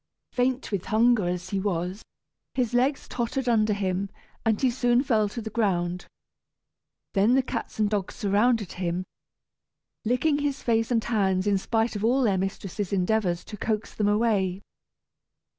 Faint with hunger as he was, his legs tottered under him, and he soon fell to the ground. Then the cats and dogs surrounded him, licking his face and hands in spite of all their mistress's endeavors to coax them away.